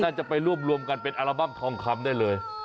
จะไปรวบรวมกันเป็นอัลบั้มทองคำได้เลย